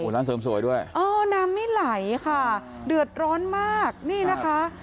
ร้านเสริมสวยด้วยเออน้ำไม่ไหลค่ะเดือดร้อนมากนี่นะคะ